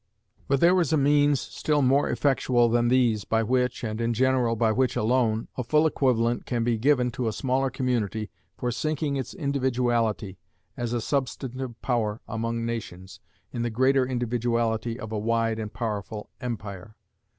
But there is a means, still more effectual than these, by which, and in general by which alone, a full equivalent can be given to a smaller community for sinking its individuality, as a substantive power among nations, in the greater individuality of a wide and powerful empire.